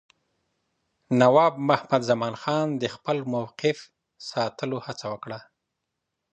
نواب محمد زمانخان د خپل موقف ساتلو هڅه وکړه.